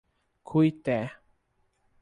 Cuité